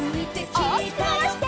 おおきくまわして。